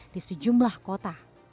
di sejumlah kota